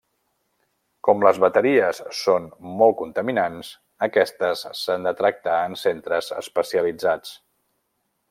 Com les bateries són molt contaminats, aquestes s'han de tractar en centres especialitzats.